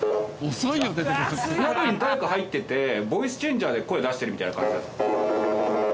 中に誰か入っててボイスチェンジャーで声出してるみたいな感じですか？